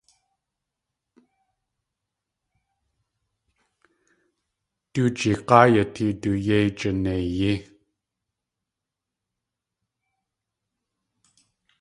Du jeeg̲áa yatee du yéi jineiyí.